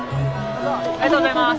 ありがとうございます。